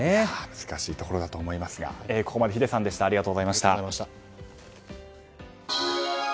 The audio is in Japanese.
難しいところだと思いますがここまで秀さんありがとうございました。